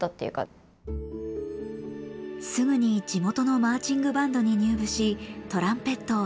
すぐに地元のマーチングバンドに入部しトランペットを演奏。